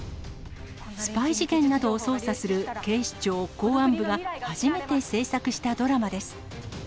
スパイ事件などを捜査する警視庁公安部が初めて制作したドラマです。